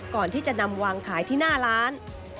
ก่อนที่จะนำวางขายที่หน้าร้าน